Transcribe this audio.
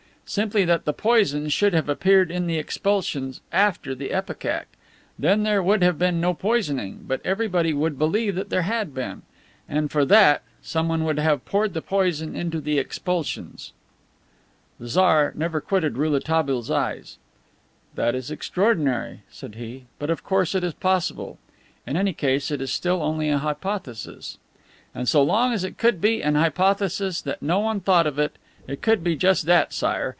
Simply that the poison should have appeared in the expulsions after the ipecac. Then there would have been no poisoning, but everyone would believe there had been. And, for that, someone would have poured the poison into the expulsions." The Tsar never quitted Rouletabille's eyes. "That is extraordinary," said he. "But of course it is possible. In any case, it is still only an hypothesis. "And so long as it could be an hypothesis that no one thought of, it could be just that, Sire.